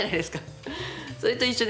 それと一緒です。